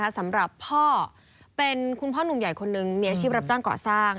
สำหรับพ่อเป็นคุณพ่อหนุ่มใหญ่คนนึงมีอาชีพรับจ้างก่อสร้าง